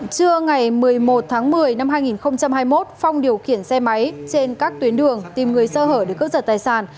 trưa ngày một mươi một tháng một mươi năm hai nghìn hai mươi một phong điều khiển xe máy trên các tuyến đường tìm người sơ hở để cướp giật tài sản